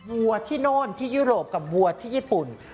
วัวที่โน่นที่ยุโรปกับวัวที่ญี่ปุ่น